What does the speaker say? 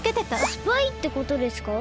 スパイってことですか？